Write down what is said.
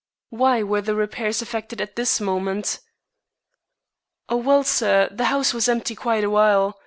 "Why were the repairs effected at this moment?" "Well, sir, the house was empty quite a while.